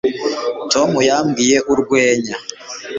tom yabwiye urwenya